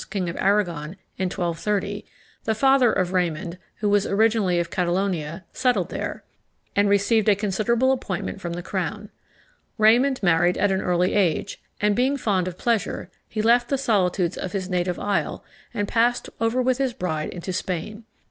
king of Aragon, in 1230, the father of Raymond, who was originally of Catalonia, settled there, and received a considerable appointment from the crown. Raymond married at an early age; and, being fond of pleasure, he left the solitudes of his native isle, and passed over with his bride into Spain.